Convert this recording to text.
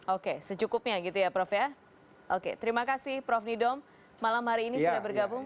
oke secukupnya gitu ya prof ya oke terima kasih prof nidom malam hari ini sudah bergabung